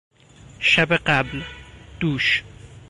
شب قبل، دوش